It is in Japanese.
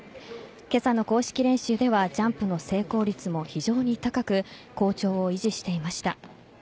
今朝の公式練習ではジャンプの成功率も非常に高く好調を維持していました。